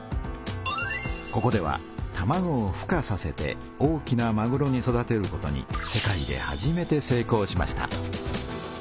ここではたまごをふ化させて大きなまぐろに育てることに世界で初めて成功しました。